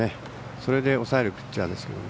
それで抑えるピッチャーです。